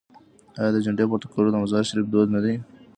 آیا د جنډې پورته کول د مزار شریف دود نه دی؟